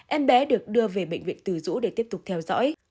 em bé được đưa về bệnh viện từ dũ để tiếp tục theo dõi